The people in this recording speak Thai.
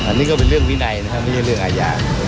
อันนี้ก็เป็นเรื่องวินัยนะครับไม่ใช่เรื่องอาญา